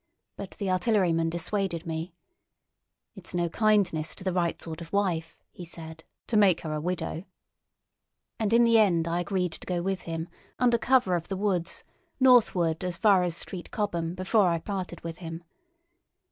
But the artilleryman dissuaded me: "It's no kindness to the right sort of wife," he said, "to make her a widow"; and in the end I agreed to go with him, under cover of the woods, northward as far as Street Cobham before I parted with him.